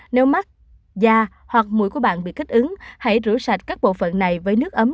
nếu mắt da hoặc mũi của bạn bị kích ứng hãy rửa sạch các bộ phận này với nước ấm